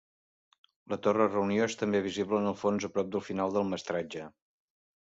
La Torre Reunió és també visible en el fons a prop del final del metratge.